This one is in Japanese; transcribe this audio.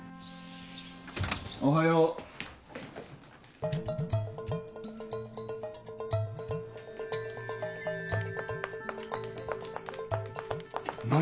おはよう。何？